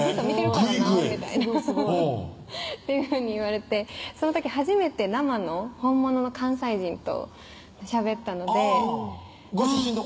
すごいねグイグイっていうふうに言われてその時初めて生の本物の関西人としゃべったのでご出身どこ？